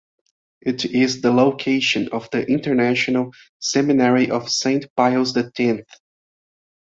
It is the location of The International Seminary of Saint Pius the Tenth.